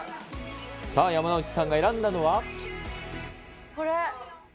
さあ、山之内さんが選んだのこれ。